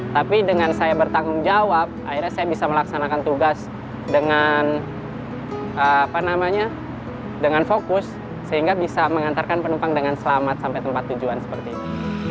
tapi dengan saya bertanggung jawab akhirnya saya bisa melaksanakan tugas dengan fokus sehingga bisa mengantarkan penumpang dengan selamat sampai tempat tujuan seperti ini